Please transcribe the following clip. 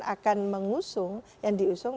akan mengusung yang diusung